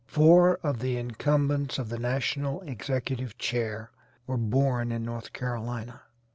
Four of the incumbents of the national executive chair were born in North Carolina.